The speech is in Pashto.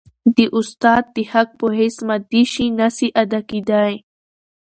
د استاد د حق په هيڅ مادي شي نسي ادا کيدای.